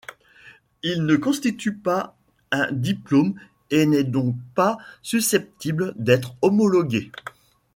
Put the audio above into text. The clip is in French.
Il ne constitue pas un diplôme et n'est donc pas susceptible d'être homologué.